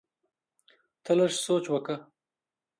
ته لږ سوچ وکړه!